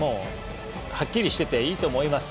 はっきりしてていいと思います。